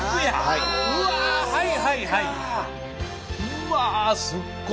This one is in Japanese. うわすっごい。